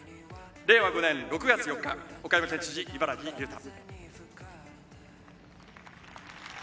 令和５年６月４日岡山県知事伊原木隆太。